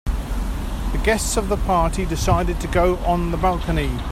The guests of the party decided to go on the balcony.